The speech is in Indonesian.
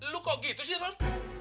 lo kok gitu sih rum